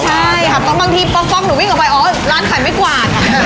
ใช่ครับค่ะว่าบางทีป๊อกหนูวิ่งอ่อร้านขายไม่กว่า